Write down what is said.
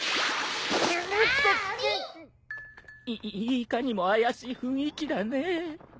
いいかにも怪しい雰囲気だね。